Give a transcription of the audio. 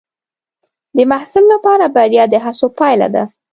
د محصل لپاره بریا د هڅو پایله ده.